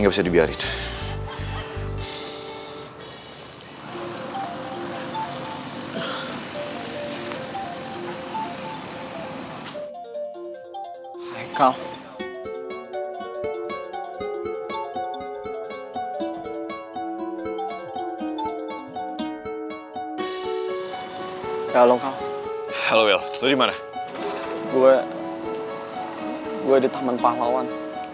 gue di taman pahlawan